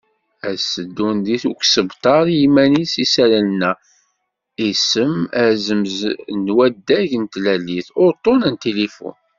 Ad sseddun deg usebter i yiman-is isallen-a: Isem, azemz d wadeg n tlalit, uṭṭun n tilifun.